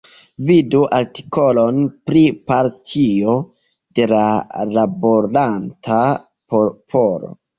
Vidu artikolon pri Partio de la Laboranta Popolo.